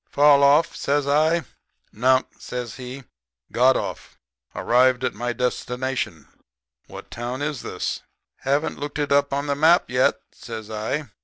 "'Fall off?' says I. "'Nunk,' says he. 'Got off. Arrived at my destination. What town is this?' "'Haven't looked it up on the map yet,' says I.